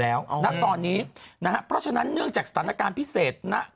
แล้วณตอนนี้นะฮะเพราะฉะนั้นเนื่องจากสถานการณ์พิเศษณ